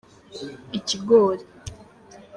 ikigori.